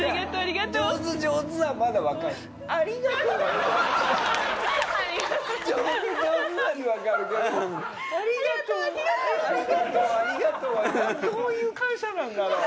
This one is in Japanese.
まだわかるけど「ありがとうありがとう」はどういう感謝なんだろう。